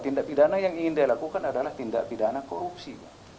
tindak pidana yang ingin dia lakukan adalah tindak pidana korupsi